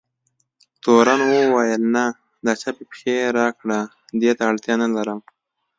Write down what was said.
تورن وویل: نه، د چپې پښې راکړه، دې ته اړتیا نه لرم.